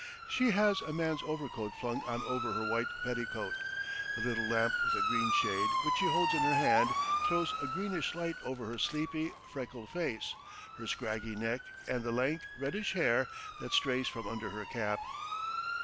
She has a man's overcoat flung on over her white petticoat. The little lamp with the green shade which she holds in her hand throws a greenish light over her sleepy, freckled face, her scraggy neck, and the lank, reddish hair that strays from under her cap.